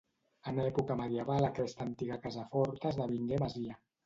En època medieval aquesta antiga casa forta esdevingué masia.